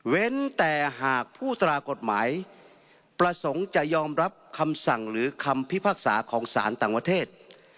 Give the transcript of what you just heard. แต่หากผู้ตรากฎหมายประสงค์จะยอมรับคำสั่งหรือคำพิพากษาของสารต่างประเทศ